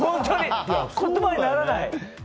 言葉にならない。